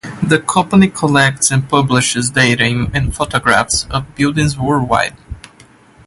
The company collects and publishes data and photographs of buildings worldwide.